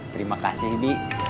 terima kasih bi